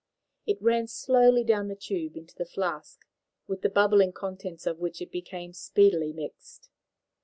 It ran slowly down the tube into the flask, with the bubbling contents of which it became speedily mixed.